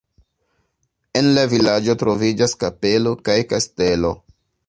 En la vilaĝo troviĝas kapelo kaj kastelo.